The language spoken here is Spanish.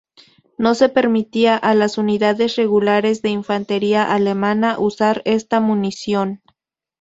No se permitía a las unidades regulares de infantería alemana usar esta munición.